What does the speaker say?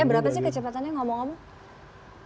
berapa sih kecepatannya ngomong ngomong